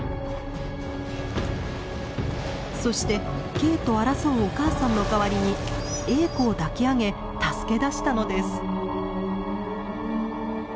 そしてＫと争うお母さんの代わりにエーコを抱き上げ助け出したのです。